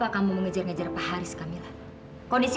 kamu semua dia tidak ada dirinya selawanya